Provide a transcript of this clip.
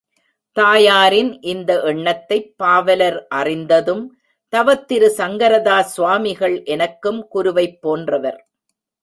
தாயாரின் இந்த எண்ணத்தைப் பாவலர் அறிந்ததும், தவத்திரு சங்கரதாஸ் சுவாமிகள் எனக்கும் குருவைப் போன்றவர்.